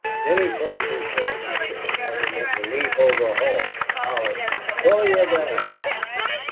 "Then he throws hisself in shape, like he meant to leap over a hoss, an' hollers, 'Pull yer gun!